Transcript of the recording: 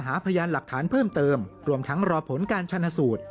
หาพยานหลักฐานเพิ่มเติมรวมทั้งรอผลการชนะสูตร